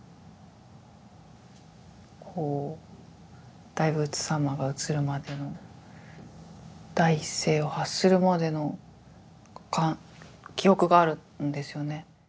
こう大仏様が映るまでの第一声を発するまでの記憶があるんですよね。